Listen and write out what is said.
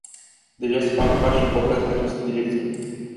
Deja se fac pași importanți în această direcție.